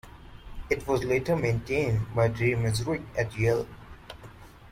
It was later maintained by Drew Mazurek at Yale.